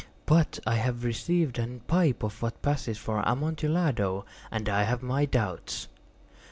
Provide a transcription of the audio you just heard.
But I have received a pipe of what passes for Amontillado, and I have my doubts."